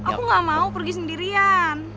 aku gak mau pergi sendirian